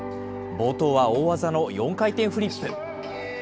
冒頭は大技の４回転フリップ。